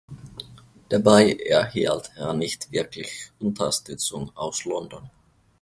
Dabei erhielt er nicht wirklich Unterstützung aus London.